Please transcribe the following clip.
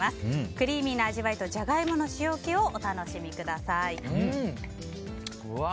クリーミーな味わいとジャガイモの塩気をお楽しみください。